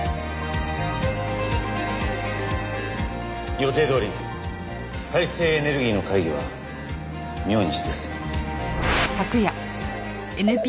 予定どおり再生エネルギーの会議は明日です。